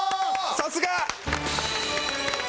さすが！